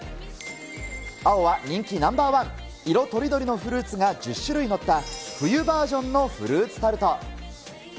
青は人気ナンバー１、色とりどりのフルーツが１０種類載った冬バージョンのフルーツタルト。